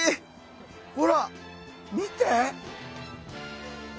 ほら見て！